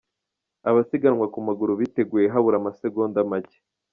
Abasiganwa ku maguru biteguye habura amasegonda macye.